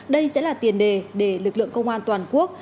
đây sẽ là tiền đề để lực lượng công an toàn quốc